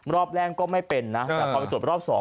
รอบแรกก็ไม่เป็นนะแต่พอไปตรวจรอบ๒